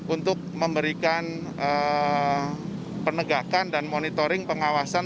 untuk memberikan penegakan dan monitoring pengawasan